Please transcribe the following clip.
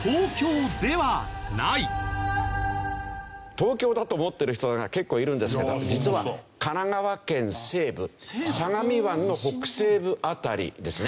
東京だと思ってる人が結構いるんですけど実は神奈川県西部相模湾の北西部辺りですね。